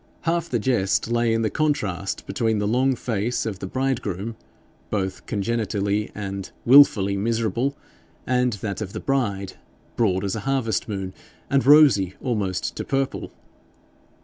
Half the jest lay in the contrast between the long face of the bridegroom, both congenitally and wilfully miserable, and that of the bride, broad as a harvest moon, and rosy almost to purple.